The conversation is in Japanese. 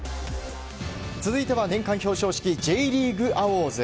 続いては年間表彰式Ｊリーグアウォーズ。